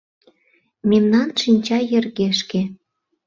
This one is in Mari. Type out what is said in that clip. Мемнан шинча йыргешке -